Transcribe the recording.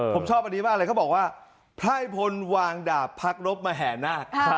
ผมชอบอันนี้มากเลยเขาบอกว่าไพร่พลวางดาบพักรบมาแห่นาค